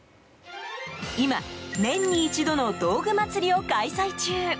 今、年に一度の道具まつりを開催中。